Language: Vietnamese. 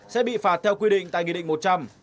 sẽ bị phạt theo quy định tại nghị định một trăm linh